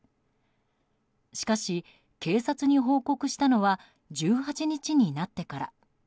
しかし、警察に報告したのは１８日になってから。